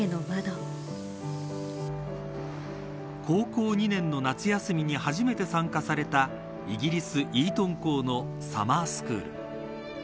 高校２年の夏休みに初めて参加されたイギリスイートン校のサマースクール。